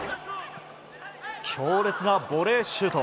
強烈なボレーシュート。